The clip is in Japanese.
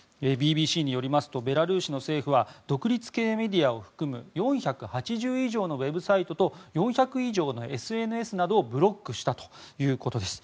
ＢＢＣによりますとベラルーシの政府は独立系メディアを含む４８０以上のウェブサイトと４００以上のＳＮＳなどをブロックしたということです。